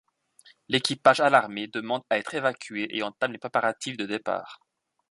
L'équipage alarmé demande à être évacué et entame les préparatifs de départ.